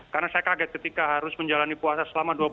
karena saya kaget ketika harus menjalani puasa selama dua puluh jam